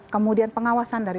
kemudian pengawasan dari